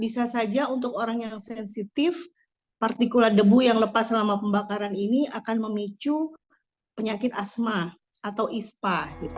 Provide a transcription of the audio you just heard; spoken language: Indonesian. bisa saja untuk orang yang sensitif partikulat debu yang lepas selama pembakaran ini akan memicu penyakit asma atau ispa